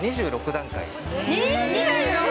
２６段階。